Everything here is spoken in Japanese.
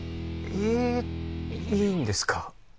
えっいいんですか？